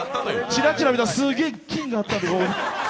チラチラ見たら、すげえ気になった、ここ。